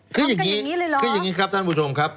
คืออย่างนี้คืออย่างนี้ครับท่านผู้ชมครับ